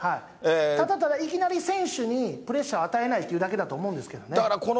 ただただ、いきなり選手にプレッシャーを与えないというだけだと思うんですだからこの、